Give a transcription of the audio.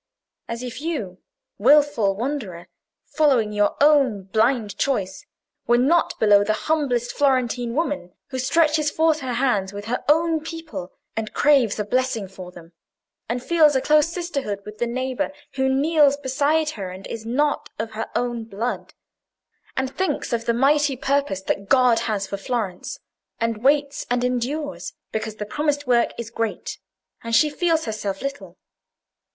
As if you, a wilful wanderer, following your own blind choice, were not below the humblest Florentine woman who stretches forth her hands with her own people, and craves a blessing for them; and feels a close sisterhood with the neighbour who kneels beside her and is not of her own blood; and thinks of the mighty purpose that God has for Florence; and waits and endures because the promised work is great, and she feels herself little."